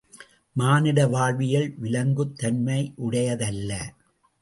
மானிட வாழ்வியல், விலங்குத் தன்மையுடையதல்ல.